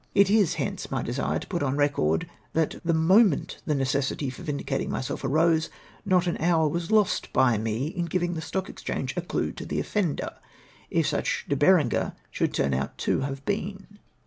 It is hence ni}^ desire to put on record that the moment the necessity for vindicatuig myself arose not an horn was lost by me in giving the Stock Exchange a clue to the offender, if such De Berenger should turn out to have been, I wiU.